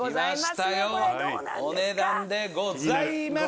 お値段でございます。